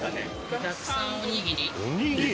具だくさんおにぎり？